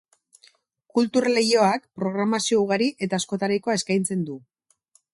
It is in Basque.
Kultur Leioak programazio ugari eta askotarikoa eskaintzen du.